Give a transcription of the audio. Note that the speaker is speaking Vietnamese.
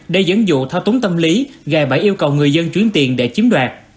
để dẫn dụ thao túng tâm lý gài bảy yêu cầu người dân chuyển tiền để chiếm đoạt